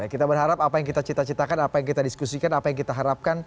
kita berharap apa yang kita cita citakan apa yang kita diskusikan apa yang kita harapkan